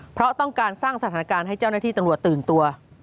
เพราะต้องการสร้างสถานการณ์ให้เจ้าหน้าที่ตำรวจตื่นตัว